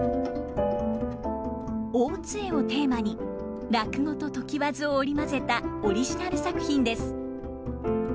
大津絵をテーマに落語と常磐津を織り交ぜたオリジナル作品です。